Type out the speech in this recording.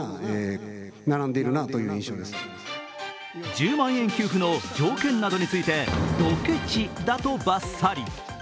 １０万円給付の条件などについて、ドケチだとばっさり。